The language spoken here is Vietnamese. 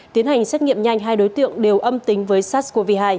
tiến hành xét nghiệm nhanh hai đối tượng đều âm tính với sars cov hai